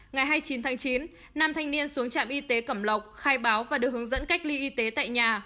ngày hai mươi chín tháng chín nam thanh niên xuống trạm y tế cẩm lộc khai báo và được hướng dẫn cách ly y tế tại nhà